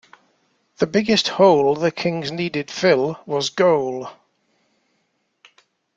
The biggest hole the Kings needed fill was goal.